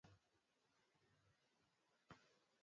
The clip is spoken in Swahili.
nikiachana na gazeti hilo huko marekani basi